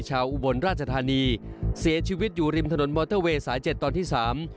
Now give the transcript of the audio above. อุบลราชธานีเสียชีวิตอยู่ริมถนนมอเตอร์เวย์สายเจ็ดตอนที่สาม